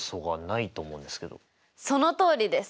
そのとおりです！